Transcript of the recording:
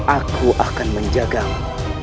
aku akan menjagamu